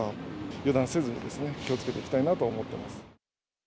油断せず、気をつけていきたいなと思っています。